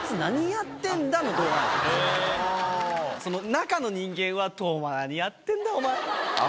中の人間は「斗真何やってんだお前」。